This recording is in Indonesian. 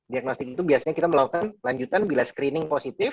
diagnosting itu biasanya kita melakukan lanjutan bila screening positif